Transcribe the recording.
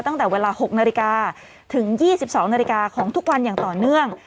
ตั้งแต่เวลา๖นถึง๒๒นของทุกวันอย่างต่อเนื่อง